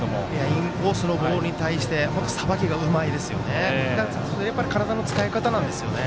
インコースのボールに対しさばきがうまいですよね。